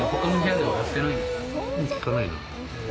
きかないな。